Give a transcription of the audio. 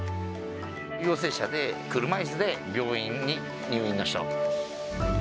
陽性者で、車いすで病院に入院の人。